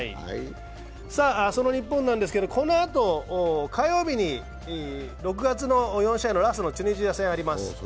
その日本なんですけど、このあと火曜日に６月の４試合のラストのチュニジア戦あります。